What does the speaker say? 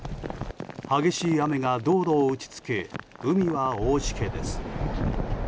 激しい雨が道路を打ち付け海は大しけです。